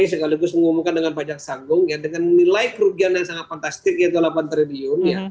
sekaligus mengumumkan dengan pajak sanggung dengan nilai kerugian yang sangat fantastik yaitu delapan triliun